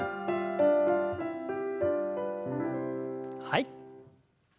はい。